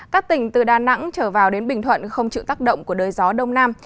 các tỉnh từ đà nẵng trở vào đến bình thuận không chịu tác động của đới gió đông nam